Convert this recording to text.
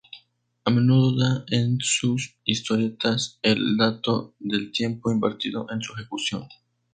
A menudo da en sus historietas el dato del tiempo invertido en su ejecución.